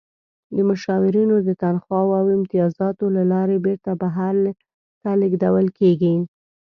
د مشاورینو د تنخواوو او امتیازاتو له لارې بیرته بهر ته لیږدول کیږي.